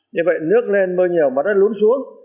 như vậy nước lên mưa nhiều mà đất lún xuống